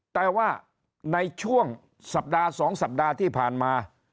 แต่ว่าในช่วงสัปดาห์๒สัปดาห์ที่ผ่านมา